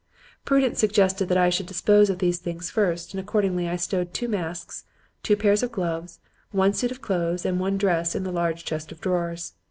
"Prudence suggested that I should dispose of these things first, and accordingly I stowed two masks, two pairs of gloves, one suit of clothes and one dress in the large chest of drawers.